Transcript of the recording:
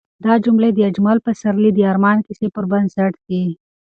دا جملې د اجمل پسرلي د ارمان کیسې پر بنسټ دي.